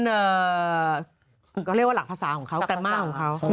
ก็เรียกว่าหลักภาษาของเขากันมากของเขา